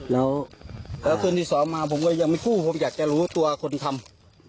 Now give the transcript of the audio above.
แล้วคืนที่สองมาผมก็ยังไม่พูดผมอยากจะรู้ตัวคนทำ